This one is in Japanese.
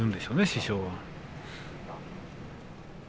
師匠は。